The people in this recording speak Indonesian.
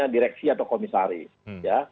direksi atau komisaris